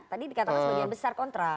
tadi dikatakan sebagian besar kontra